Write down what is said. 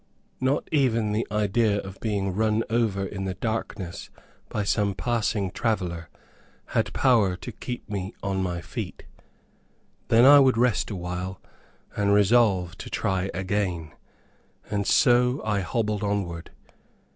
Not even the idea of being run over in the darkness by some passing traveller, had power to keep me on my feet. Then I would rest awhile, and resolve to try again; and so I hobbled onward.